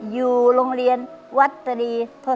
อยู่โรงเรียนวัฒนีทศเทศ